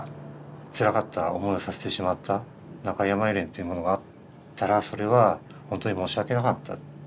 つらかった思いをさせてしまった中井やまゆり園というものがあったらそれは本当に申し訳なかった。